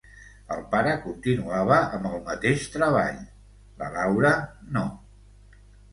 El pare continuava amb el mateix treball; la Laura, no.